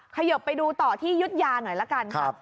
ขยบไปดูต่อที่ยุธยาหน่อยละกันครับ